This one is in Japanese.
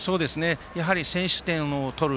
やはり、先取点を取る